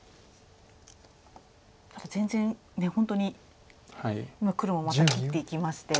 全然本当に今黒もまた切っていきまして。